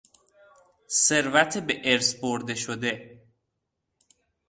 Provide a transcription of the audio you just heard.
ثروت به ارث برده شده